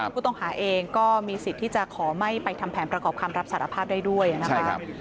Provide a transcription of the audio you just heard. ผู้ต้องหาเองก็มีสิทธิ์ที่จะขอไม่ไปทำแผนประกอบคำรับสารภาพได้ด้วยนะคะ